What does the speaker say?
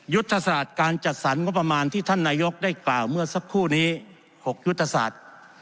ยุทธศาสตร์การจัดสรรงบประมาณที่ท่านนายกได้กล่าวเมื่อสักครู่นี้๖ยุทธศาสตร์